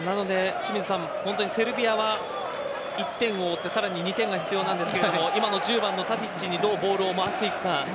清水さん、セルビアは１点を追ってさらに２点が必要なんですが今の１０番のタディッチにどうボールを回していくか。